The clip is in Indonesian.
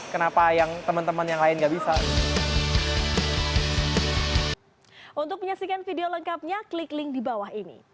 kenapa yang temen temen yang lain gak bisa